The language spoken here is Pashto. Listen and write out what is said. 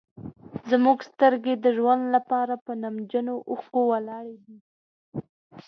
زموږ سترګې د ژوند لپاره په نمجنو اوښکو ولاړې دي.